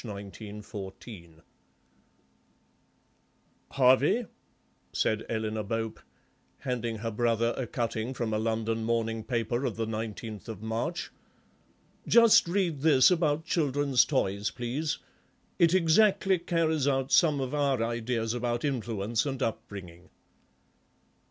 THE TOYS OF PEACE "Harvey," said Eleanor Bope, handing her brother a cutting from a London morning paper of the 19th of March, "just read this about children's toys, please; it exactly carries out some of our ideas about influence and upbringing."